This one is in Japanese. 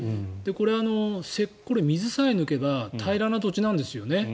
これ、水さえ抜けば平らな土地なんですよね。